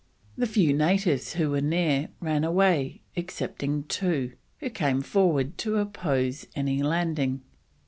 The few natives who were near ran away, excepting two, who came forward to oppose any landing.